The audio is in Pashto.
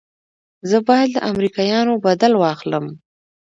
زه بايد له امريکايانو بدل واخلم.